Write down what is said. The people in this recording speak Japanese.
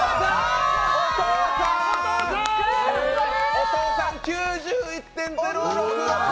お父さん、９１．０６６。